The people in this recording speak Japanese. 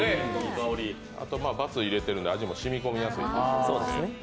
あと、×入れてるんで、味も染み込みやすい。